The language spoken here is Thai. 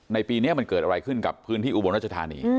ปีนี้มันเกิดอะไรขึ้นกับพื้นที่อุบลรัชธานี